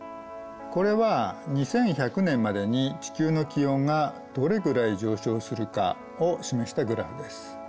これは２１００年までに地球の気温がどれぐらい上昇するかを示したグラフです。